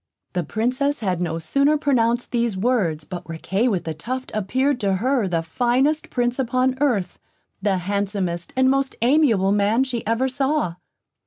The Princess had no sooner pronounced these words, but Riquet with the Tuft appeared to her the finest Prince upon earth; the handsomest and most amiable man she ever saw.